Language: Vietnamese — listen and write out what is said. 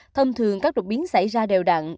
thông thường các đột biến xảy ra đều đặn